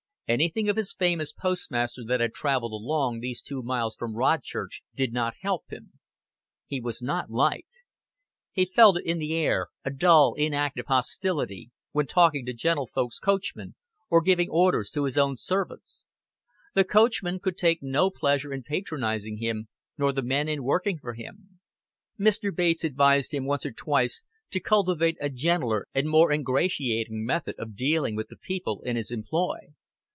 Anything of his fame as postmaster that had traveled along these two miles from Rodchurch did not help him. He was not liked. He felt it in the air, a dull inactive hostility, when talking to gentlefolks' coachmen or giving orders to his own servants. The coachmen could take no pleasure in patronizing him, nor the men in working for him. Mr. Bates advised him once or twice to cultivate a gentler and more ingratiating method of dealing with the people in his employ.